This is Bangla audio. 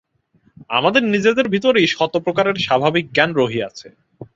আমাদের নিজেদের ভিতরই শত প্রকারের স্বাভাবিক জ্ঞান রহিয়াছে।